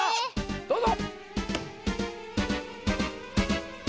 どうぞ！